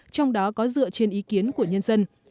trong đó có dựa trên ý kiến của nhân dân